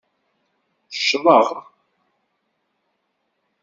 Ccḍeɣ?